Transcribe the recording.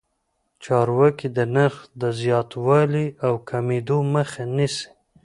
چارواکي د نرخ د زیاتوالي او کمېدو مخه نیسي.